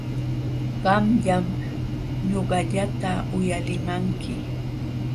Qamllam ñuqallata uyalimanki.